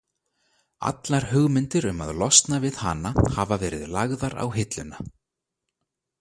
Allar hugmyndir um að losna við hana hafa verið lagðar á hilluna.